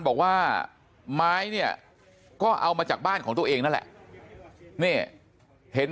บอกว่าไม้เนี่ยก็เอามาจากบ้านของตัวเองนั่นแหละนี่เห็น